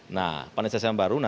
nah panitia seleksi yang baru